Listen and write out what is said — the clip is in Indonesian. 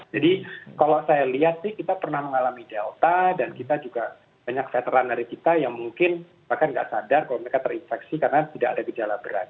jadi kalau saya lihat sih kita pernah mengalami delta dan kita juga banyak veteran dari kita yang mungkin bahkan nggak sadar kalau mereka terinfeksi karena tidak ada gejala berat